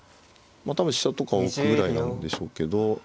まあ多分飛車とか置くぐらいなんでしょうけど。